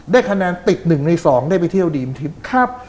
ได้คะแนนติดหนึ่งในสองได้ไปเที่ยวดีมทิพย์ครับ